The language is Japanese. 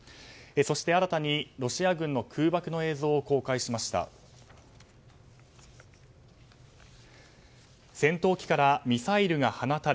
そして新たにロシア軍の空爆の映像を公開しました。